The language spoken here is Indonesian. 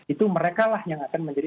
itu mereka lah yang akan menjadi